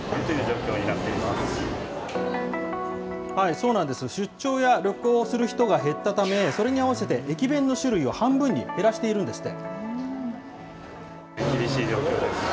そうなんです、出張や旅行をする人が減ったため、それに合わせて駅弁の種類を半分に減らしているんですって。